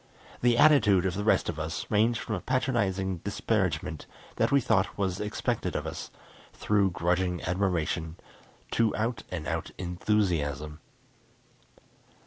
The attitude of the rest of us ranged from a patronizing disparagement that we thought was expected of us, through grudging admiration, to out and out enthusiasm.